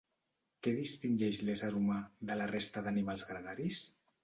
Què distingeix l'ésser humà de la resta d'animals gregaris?